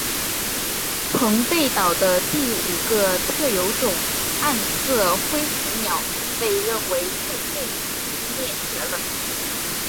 澎贝岛的第五个特有种暗色辉椋鸟被认为最近已经灭绝了。